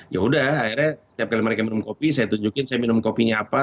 ya udah akhirnya setiap kali mereka minum kopi saya tunjukin saya minum kopinya apa